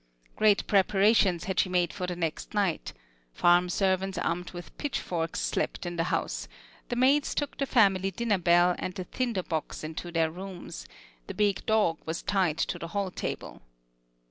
Great preparations had she made for the next night; farm servants armed with pitchforks slept in the house; the maids took the family dinner bell and the tinder box into their rooms; the big dog was tied to the hall table.